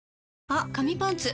あ、紙パンツ！